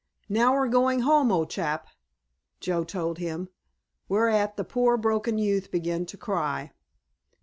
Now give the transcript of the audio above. "Now we're going home, old chap," Joe told him, whereat the poor broken youth began to cry.